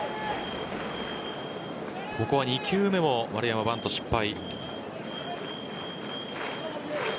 ここは２球目も丸山バント失敗。